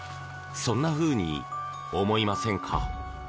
そんなふうに思いませんか？